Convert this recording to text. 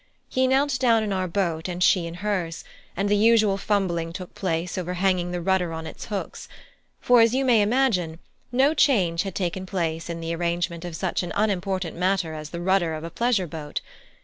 He knelt down in our boat and she in hers, and the usual fumbling took place over hanging the rudder on its hooks; for, as you may imagine, no change had taken place in the arrangement of such an unimportant matter as the rudder of a pleasure boat.